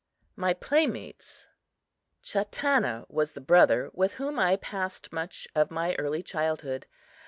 My Playmates CHATANNA was the brother with whom I passed much of my early childhood.